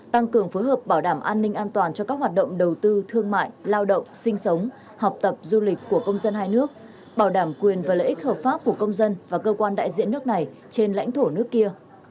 tăng cường phối hợp bảo đảm an ninh an toàn cho các hoạt động đầu tư thương mại lao động sinh sống học tập du lịch của công dân hai nước bảo đảm quyền và lợi ích hợp pháp của công dân và cơ quan đại diện nước này trên lãnh thổ nước kia